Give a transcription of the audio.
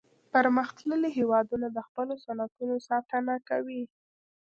پرمختللي هیوادونه د خپلو صنعتونو ساتنه کوي